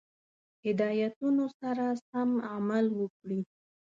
هدایتونو سره سم عمل وکړي.